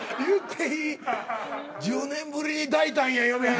「１０年ぶりに抱いたんや嫁はん」